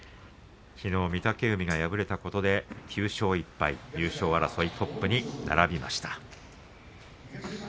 きのう御嶽海が敗れたことで９勝１敗、優勝争いのトップに並びました。